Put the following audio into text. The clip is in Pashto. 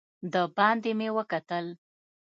دباندې مې وکتل.